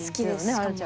華ちゃん。